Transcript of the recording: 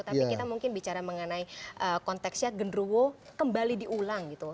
tapi kita mungkin bicara mengenai konteksnya genruwo kembali diulang gitu